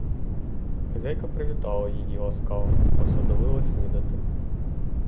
Хазяйка привітала її ласкаво, посадовила снідати.